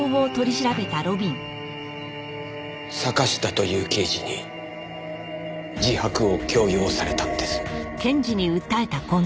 坂下という刑事に自白を強要されたんです。